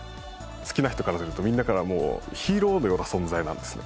好きな人からするとみんなからもうヒーローのような存在なんですね。